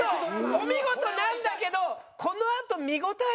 お見事なんだけどこのあと見応えが。